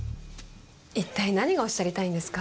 一体何がおっしゃりたいんですか？